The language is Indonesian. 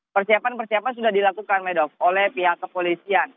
persiapan persiapan sudah dilakukan oleh pihak kepolisian